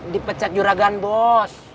dipecat juragan bos